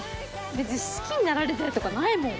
別に好きになられたいとかないもん。